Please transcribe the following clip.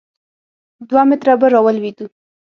دوه متره به راولوېدو.